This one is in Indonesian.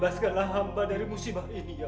jangan lupa like share dan subscribe ya